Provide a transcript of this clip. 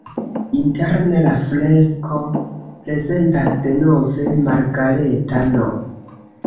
Interne la fresko prezentas denove Margareta-n.